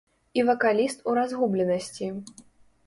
І вакаліст у разгубленасці.